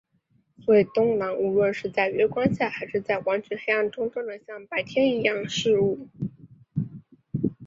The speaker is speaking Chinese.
所以冬狼无论是在月光下还是在完全黑暗中都能像白天一样视物。